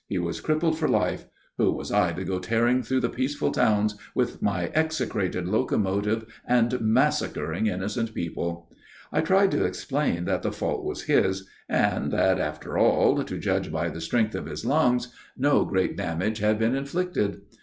He was crippled for life. Who was I to go tearing through peaceful towns with my execrated locomotive and massacring innocent people? I tried to explain that the fault was his, and that, after all, to judge by the strength of his lungs, no great damage had been inflicted.